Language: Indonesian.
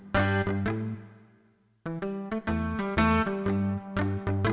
masih banyak orang tua yang menyayangi kamu